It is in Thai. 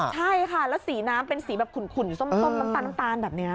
ใช่ค่ะแล้วสีน้ำเป็นสีแบบขุนส้มน้ำตาลน้ำตาลแบบนี้